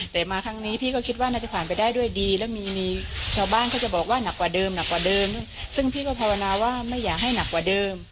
แต่มาครั้งนี้พี่ก็คิดว่าน่าจะผ่านไปได้ด้วยดีแล้วมีมีชาวบ้านเขาจะบอกว่าหนักกว่าเดิมหนักกว่าเดิมซึ่งพี่ก็ภาวนาว่าไม่อยากให้หนักกว่าเดิม